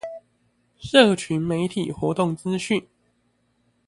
社群媒體活動資訊